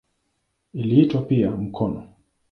Iliitwa pia "mkono".